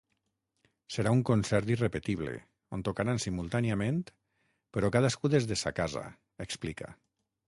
Serà un concert irrepetible, on tocaran simultàniament, però cadascú des de sa casa, explica.